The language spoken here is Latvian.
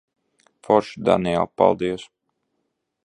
Forši, Daniel. Paldies.